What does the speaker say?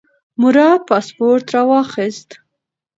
مراد پاسپورت راواخیست.